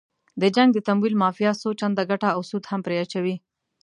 د جنګ د تمویل مافیا څو چنده ګټه او سود هم پرې اچوي.